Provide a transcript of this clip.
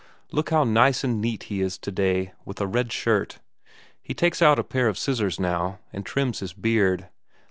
Look how nice and neat he is today, with a red shirt; he takes out a pair of scissors now, and trims his beard.